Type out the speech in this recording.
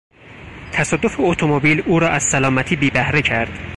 تصادف اتومبیل او را از سلامتی بیبهره کرد.